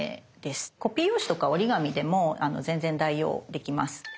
コピー用紙とか折り紙でも全然代用できます。